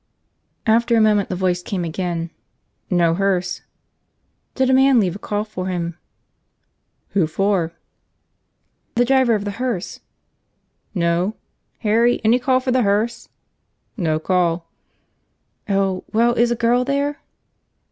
After a moment the voice came again. "No hearse." "Did a man leave a call for him?" "Who for?" "The driver of the hearse!" "No. .... Harry, any call for the hearse? ... No call." "Oh. Well, is a girl there?"